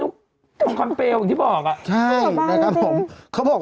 ข้าวเหนียวบางกูนึกทองคำเปลอย่างที่บอก